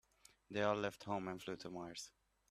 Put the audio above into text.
They all left home and flew to Mars.